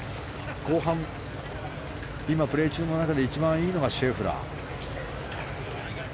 後半、今、プレー中の中で一番いいのがシェフラー。